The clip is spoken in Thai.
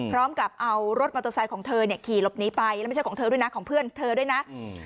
พร้อมกับเอารถมอเตอร์ไซค์ของเธอเนี่ยขี่หลบหนีไปแล้วไม่ใช่ของเธอด้วยนะของเพื่อนเธอด้วยนะอืม